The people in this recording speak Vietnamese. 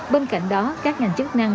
bên cạnh đó các ngành chức năng